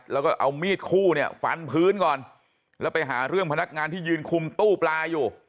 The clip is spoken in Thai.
แล้วก็เอามีดคู่เนี่ยฟันพื้นก่อนแล้วไปหาเรื่องพนักงานที่ยืนคุมตู้ปลาอยู่